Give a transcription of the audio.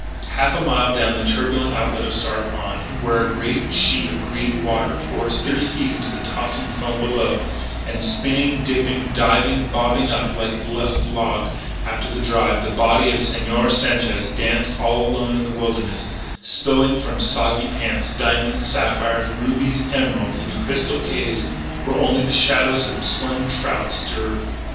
Half a mile down the turbulent outlet of Star Pond, where a great sheet of green water pours thirty feet into the tossing foam below, and spinning, dipping, diving, bobbing up like a lost log after the drive, the body of Señor Sanchez danced all alone in the wilderness, spilling from soggy pockets diamonds, sapphires, rubies, emeralds, into crystal caves where only the shadows of slim trout stirred.